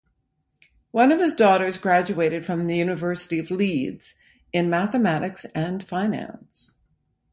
One of his daughters graduated from the University of Leeds in Mathematics and Finance.